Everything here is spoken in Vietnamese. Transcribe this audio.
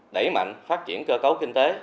đẩy mạnh phát triển cơ cấu kinh tế